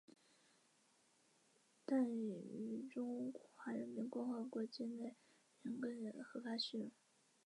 产品设计规格是产品生命周期管理中的文件之一。